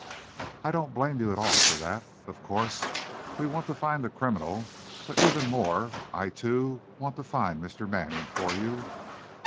"I don't blame you at all for that. Of course, we want to find the criminal, but even more, I too, want to find Mr. Manning for you."